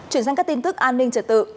chuyển sang các tin tức an ninh trở tự